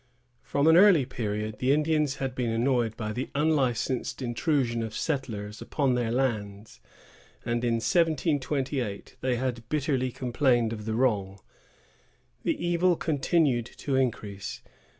From an early period, the Indians had been annoyed by the unlicensed intrusion of settlers upon their lands, and, in 1728, they had bitterly complained of the wrong. The evil continued to increase.